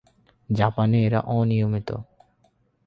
জাপানে এরা অনিয়মিত।